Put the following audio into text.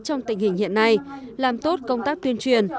trong tình hình hiện nay làm tốt công tác tuyên truyền